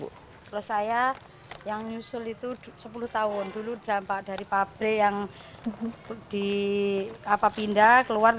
kalau saya yang nyusul itu sepuluh tahun dulu dampak dari pabrik yang dipindah keluar